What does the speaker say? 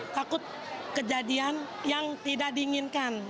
takut kejadian yang tidak diinginkan